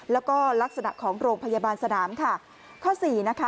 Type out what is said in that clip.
แล้วก็ลักษณะของโรงพยาบาลสนามค่ะ